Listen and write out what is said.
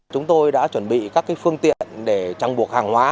chúng tôi đã chuẩn bị các phương tiện để trang buộc hàng hóa